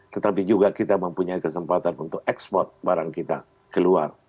tetapi juga kita mempunyai kesempatan untuk ekspor barang kita keluar